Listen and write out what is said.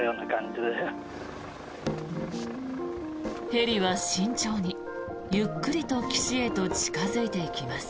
ヘリは慎重にゆっくりと岸へと近付いていきます。